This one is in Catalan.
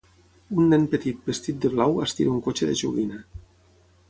Un nen petit vestit de blau estira un cotxe de joguina.